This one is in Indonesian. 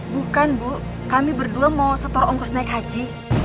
bukan bu kami berdua mau setor ongkos naik haji